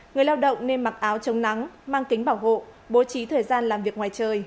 người lao động nên mặc áo chống nắng mang kính bảo hộ bố trí thời gian làm việc ngoài trời